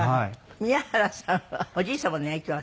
宮原さんはおじい様の影響が強かったんですって？